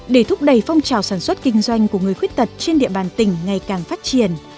để thúc đẩy phong trào sản xuất kinh doanh của người khuyết tật trên địa bàn tỉnh ngày càng phát triển